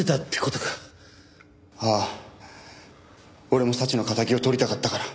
俺も早智の敵を取りたかったから。